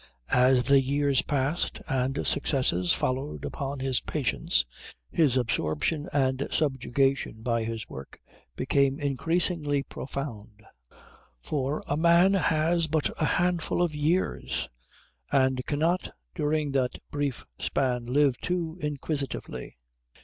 As the years passed and successes followed upon his patience, his absorption and subjugation by his work became increasingly profound; for a man has but a handful of years, and cannot during that brief span live too inquisitively.